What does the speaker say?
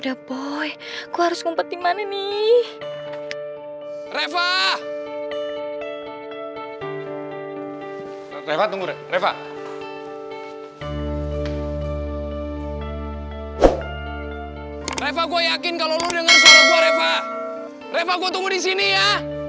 reva gue tunggu disini ya